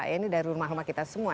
ini dari rumah rumah kita semua